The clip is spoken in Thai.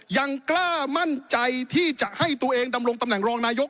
ยังกล้ามั่นใจที่จะให้ตัวเองดำรงตำแหน่งรองนายก